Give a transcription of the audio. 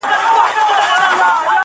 خو لا نن هم دی رواج د اوسنیو!